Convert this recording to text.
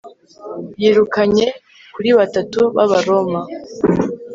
Yirukanye kuri Batatu bAbaroma